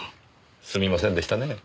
すみませんでしたねえ。